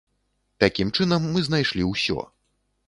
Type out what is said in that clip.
Такім чынам мы знайшлі ўсё.